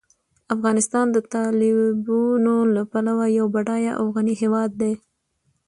افغانستان د تالابونو له پلوه یو بډایه او غني هېواد دی.